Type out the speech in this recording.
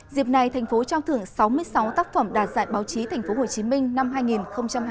dịp này thành phố trao thưởng sáu mươi sáu tác phẩm đạt giải báo chí tp hcm năm hai nghìn hai mươi